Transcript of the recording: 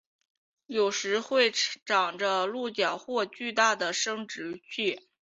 有时会长着鹿角或巨大的生殖器。